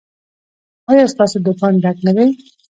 ایا ستاسو دکان ډک نه دی؟